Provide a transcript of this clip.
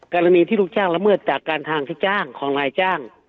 กรณีที่ลูกจ้างละเมิดจากการทางที่จ้างของนายจ้าง